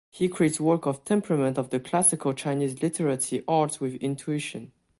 He creates work of temperament of the classical Chinese literati arts with intuition.